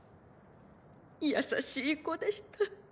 やさしい子でした。